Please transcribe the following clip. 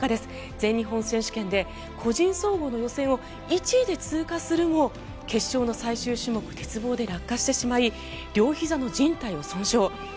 全日本選手権で個人総合の予選を１位で通過するも決勝の最終種目、鉄棒で落下してしまい両ひざのじん帯を損傷。